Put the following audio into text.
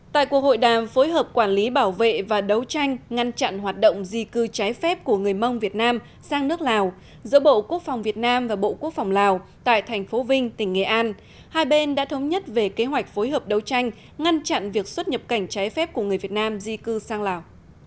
tại cuộc hội đàm phối hợp quản lý bảo vệ và đấu tranh ngăn chặn hoạt động di cư trái phép của người mông việt nam sang nước lào giữa bộ quốc phòng việt nam và bộ quốc phòng lào tại thành phố vinh tỉnh nghệ an hai bên đã thống nhất về kế hoạch phối hợp đấu tranh ngăn chặn việc xuất nhập cảnh trái phép của người việt nam di cư sang lào